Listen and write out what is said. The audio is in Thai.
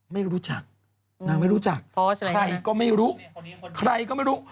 ไม่รู้จักนางไม่รู้จักใครก็ไม่รู้ใครก็ไม่รู้